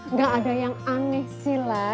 nggak ada yang aneh sih lah